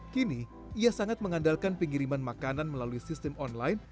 kini ia sangat mengandalkan pengiriman makanan melalui sistem online